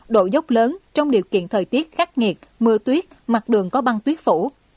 độ dốc lớn trong điều kiện thời tiết khắc nghiệt mưa tuyết mặt đường có băng tuyết phủ